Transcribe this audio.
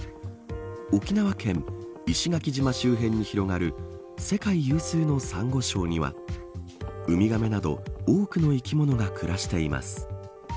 沖縄県、石垣島周辺に広がる世界有数のサンゴ礁にはウミガメなど多くの生き物が暮らしています。